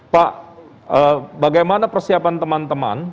pak bagaimana persiapan teman teman